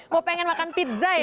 mau pengen makan pizza ya